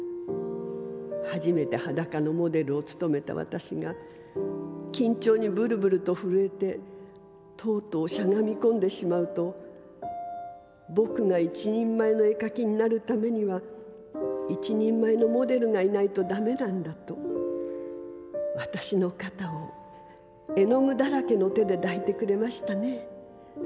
初めて裸のモデルをつとめた私が緊張にブルブルとふるえてとうとうしゃがみこんでしまうとぼくが一人前の絵描きになるためには一人前のモデルがいないとダメなんだと私の肩を絵の具だらけの手で抱いてくれましたね。